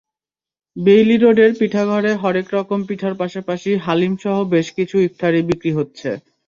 Bailey রোডের পিঠাঘরে হরেক রকম পিঠার পাশাপাশি হালিমসহ বেশ কিছু ইফতারি বিক্রি হচ্ছে।